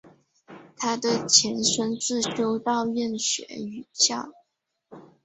它的前身是修道院学校。